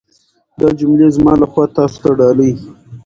دا جملې زما لخوا تاسو ته ډالۍ.